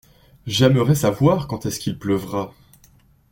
J’aimerais savoir quand est-ce qu’il pleuvra.